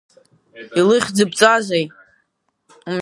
Илыхьӡыбҵазеи?